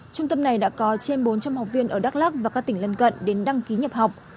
trung tâm này đã có trên bốn trăm linh học viên ở đắk lắc và các tỉnh lân cận đến đăng ký nhập học